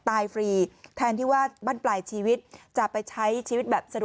ฟรีแทนที่ว่าบ้านปลายชีวิตจะไปใช้ชีวิตแบบสะดวก